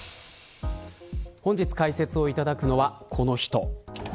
本日解説をいただくのはこの人。